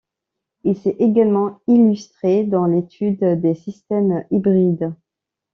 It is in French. Il s'est également illustré dans l'étude des systèmes hybrides.